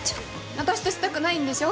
私としたくないんでしょ？